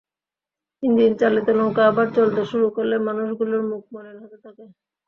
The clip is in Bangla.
ইঞ্জিনচালিত নৌকা আবার চলতে শুরু করলে মানুষগুলোর মুখ মলিন হতে থাকে।